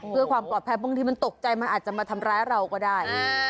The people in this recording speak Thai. เพื่อความปลอดภัยบางทีมันตกใจมันอาจจะมาทำร้ายเราก็ได้